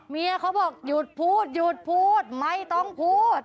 เมียเขาบอกหยุดพูดหยุดพูดไม่ต้องพูด